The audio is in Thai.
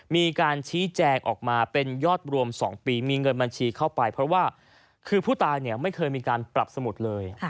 มีการชี้แจงออกมาเป็นยอดรวม๒ปีมีเงินบัญชีเข้าไปเพราะว่าคือผู้ตายไม่เคยมีการปรับสมุดเลย